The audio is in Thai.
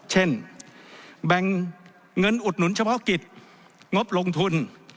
เช่นแบ่งเงินอุดหนุนเฉพาะกิจงบลงทุน